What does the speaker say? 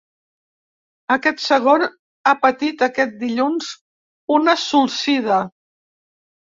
Aquest segon ha patit aquest dilluns una solsida.